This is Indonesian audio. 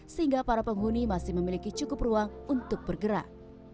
sehingga para penghuni masih memiliki cukup ruang untuk bergerak